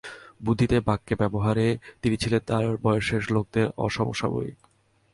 বুদ্ধিতে বাক্যে ব্যবহারে তিনি ছিলেন তাঁর বয়সের লোকদের অসমসাময়িক।